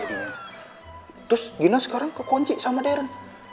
terus gina sekarang kekunci sama darren